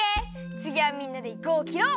つぎはみんなでぐをきろう！